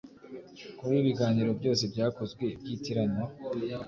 Kuba ibiganiro byose byakozwe byitiranywa